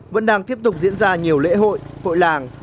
vẫn đang tiếp tục diễn ra nhiều lễ hội hội làng